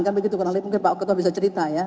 kan begitu kurang lebih mungkin pak ketua bisa cerita ya